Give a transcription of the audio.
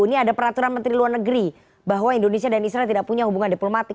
ini ada peraturan menteri luar negeri bahwa indonesia dan israel tidak punya hubungan diplomatik